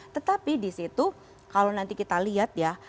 tetapi disitu kalau nanti kita lihat ya